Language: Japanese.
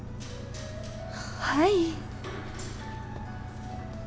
はい。